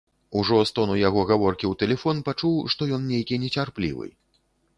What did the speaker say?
Ужо з тону яго гаворкі ў тэлефон пачуў, што ён нейкі нецярплівы.